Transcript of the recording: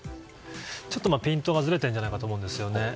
ピントがずれているんじゃないかと思うんですよね。